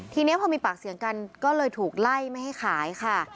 ทีนี้พอมีปากเสียงกันก็เลยถูกไล่ไม่ให้ขายค่ะ